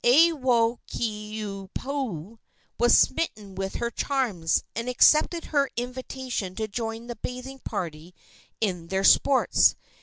Aiwohikupua was smitten with her charms, and accepted her invitation to join the bathing party in their sports.